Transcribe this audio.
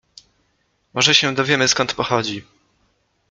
Może się dowiemy, skąd pochodzi.